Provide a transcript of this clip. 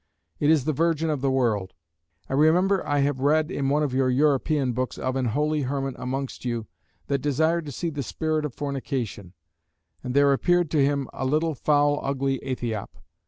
It is the virgin of the world. I remember I have read in one of your European books, of an holy hermit amongst you that desired to see the Spirit of Fornication; and there appeared to him a little foul ugly Aethiop.